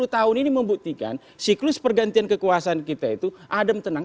sepuluh tahun ini membuktikan siklus pergantian kekuasaan kita itu adem tenang